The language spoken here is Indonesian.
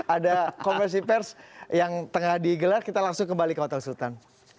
ada konversi pers yang tengah digelar kita langsung kembali ke hotel sultan